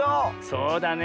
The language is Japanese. そうだね。